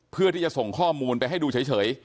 เพื่อที่จะส่งข้อมูลไปให้ดูเฉย